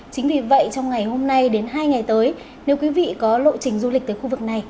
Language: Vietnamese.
chính vì vậy trong ngày hôm nay đến hai ngày tới nếu quý vị có lộ trình du lịch tới khu vực này